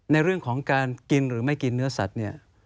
ในเรื่องของการกินหรือไม่กินเนื้อสัตว์เนี่ย